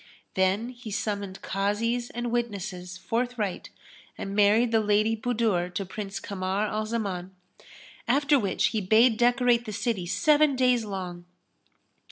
Then he summoned Kazis and witnesses forthright and married the Lady Budur to Prince Kamar al Zaman; after which he bade decorate the city seven days long.